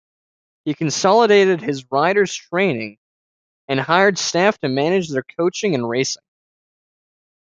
He consolidated his riders' training and hired staff to manage their coaching and racing.